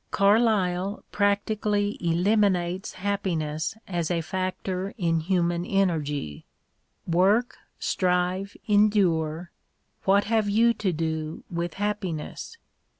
Carlyle practically eliminates happi ness as a factor in human energy— work, strive, endure, what have you to do with happiness